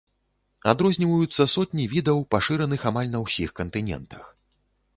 Адрозніваюцца сотні відаў, пашыраных амаль на ўсіх кантынентах.